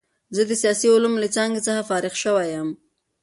زه د سیاسي علومو له څانګې څخه فارغ شوی یم.